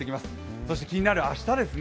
そして気になる明日ですね。